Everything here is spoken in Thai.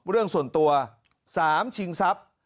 ๒เรื่องส่วนตัว๓ชิงซับ